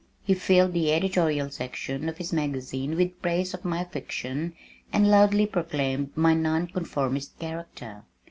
He filled the editorial section of his magazine with praise of my fiction and loudly proclaimed my non conformist character.